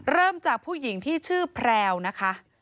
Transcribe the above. เริ่มจากผู้หญิงที่ชื่อแพรวนะคะ